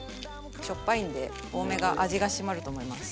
しょっぱいんで多めが味が締まると思います